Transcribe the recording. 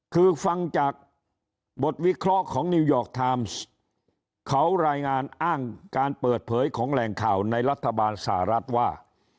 คือฟังจากบทวิเคราะห์ของนิวยอร์กไทม์เขารายงานอ้างการเปิดเผยของแหล่งข่าวในรัฐบาลสหรัฐว่า